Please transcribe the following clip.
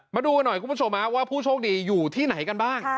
มาดูกันหน่อยคุณผู้ชมว่าผู้โชคดีอยู่ที่ไหนกันบ้าง